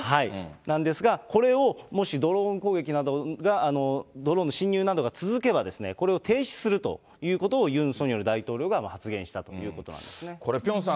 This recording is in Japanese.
なんですが、これを、もしドローン攻撃などが、ドローンの侵入などが続けば、これを停止するということを、ユン・ソンニョル大統領が発言したこれ、ピョンさん